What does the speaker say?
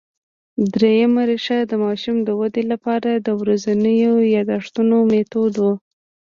درېیمه ریښه د ماشوم د ودې له پاره د ورځينو یادښتونو مېتود وو